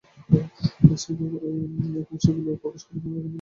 এবং সেগুলো প্রকাশ করা হলে মরগানের মুখ দেখানোর জো থাকবে না।